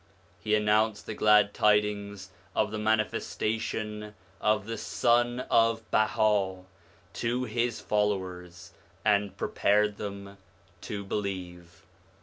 He announced the glad tidings of the manifestation of the Sun of Baha to his followers, and prepared them to believe.